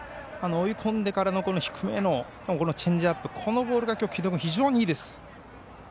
追い込んでからの低めへのチェンジアップこのボールが城戸君、非常にいいです。